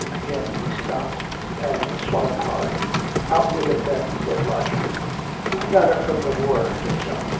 Again he stopped, and swallowed hard. "Out with it, then," said Roger. "I got it from the war," said John.